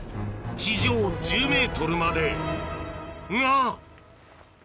地上１０ｍまでが！